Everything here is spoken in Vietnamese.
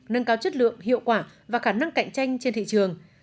nâng cao chất lượng hiệu quả và khả năng cạnh tranh trên thị trường